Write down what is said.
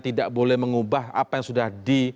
tidak boleh mengubah apa yang sudah di